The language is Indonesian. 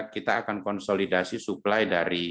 kita akan konsolidasi supply dari